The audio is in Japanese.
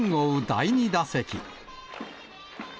第２打席。